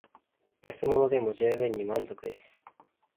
安物でも充分に満足です